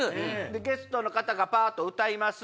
ゲストの方がパっと歌います。